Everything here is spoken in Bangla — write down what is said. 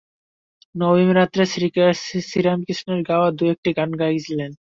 নবমীরাত্রে শ্রীরামকৃষ্ণের গাওয়া দু-একটি গান গাহিলেন।